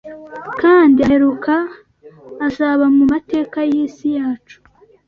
kandi aheruka azaba mu mateka y’isi yacu